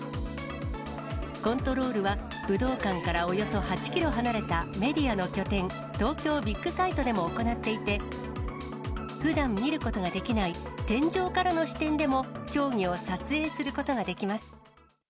コントロールは、武道館からおよそ８キロ離れたメディアの拠点、東京ビッグサイトでも行っていて、ふだん見ることができない天井からの視点でも、競技を撮影するこ